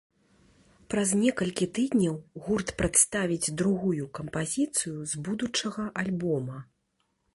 Праз некалькі тыдняў гурт прадставіць другую кампазіцыю з будучага альбома.